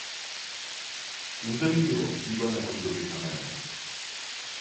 Území bylo osídlené od doby kamenné.